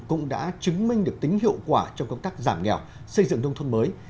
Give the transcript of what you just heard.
cũng đã chứng minh được tính hiệu quả trong công tác giảm nghèo xây dựng nông thôn mới